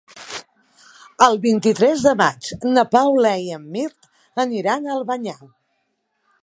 El vint-i-tres de maig na Paula i en Mirt aniran a Albanyà.